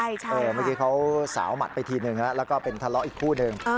เมื่อกี้เขาสาวหมัดไปทีนึงแล้วก็เป็นทะเลาะอีกคู่หนึ่ง